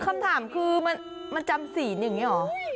คำถามคือมันจำศีลอย่างนี้เหรอ